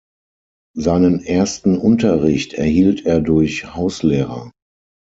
Seinen ersten Unterricht erhielt er durch Hauslehrer.